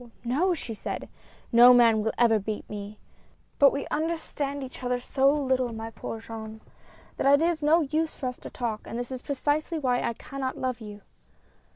no!" she said, "no man will ever beat me. But we understand each other so little, my poor Jean, that it is no use for us to talk, and this is precisely why I cannot love you."